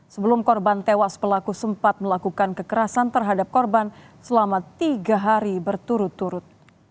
sebelum korban tewas pelaku sempat melakukan kekerasan terhadap korban selama tiga hari berturut turut